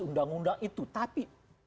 undang undang itu tapi